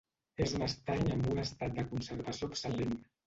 És un estany amb un estat de conservació excel·lent.